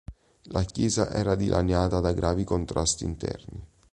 La Chiesa era dilaniata da gravi contrasti interni.